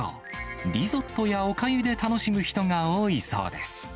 リゾットやおかゆで楽しむ人が多いそうです。